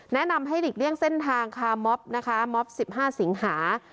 แนะนำให้หลีกเลี่ยงเส้นทางคาม๊อบนะคะ๑๔๓๐๓